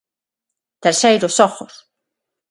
Terceiros Xogos.